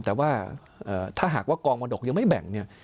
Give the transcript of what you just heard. แต่ว่าถ้าหากว่ากองมรดกยังไม่แบ่งเนี่ย